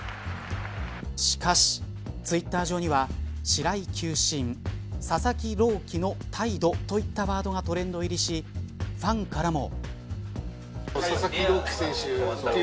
しかし、ツイッター上には白井球審佐々木朗希の態度といったワードがトレンド入りしファンからも。